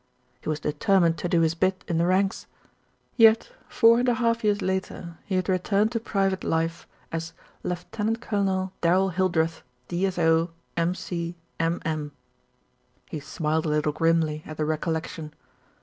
He was de termined to do his bit in the ranks; yet, four and a half years later, he had returned to private life as Lieutenant Colonel Darrell Hildreth, D.S.O., M.C, M.M. He smiled a little grimly at the recollection.